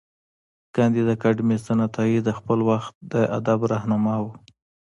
کانديد اکاډميسن عطايي د خپل وخت د ادب رهنما و.